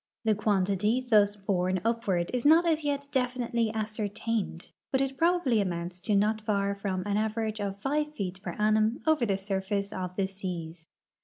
The quantity thus borne upward is not as yet definitely ascertained, but it probably amounts to not far from an average of five feet per annum over the surface of the seas.